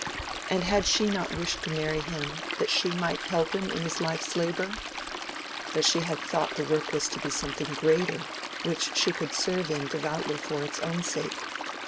And had she not wished to marry him that she might help him in his life's labor?—But she had thought the work was to be something greater, which she could serve in devoutly for its own sake.